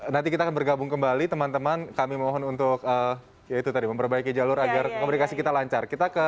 nanti kita akan bergabung kembali teman teman kami mohon untuk ya itu tadi memperbaiki jalur agar komunikasi kita lancar